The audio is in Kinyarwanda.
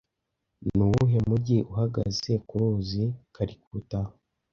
Ni uwuhe mujyi uhagaze ku ruzi Calcutta